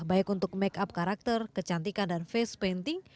baik untuk makeup karakter kecantikan dan face painting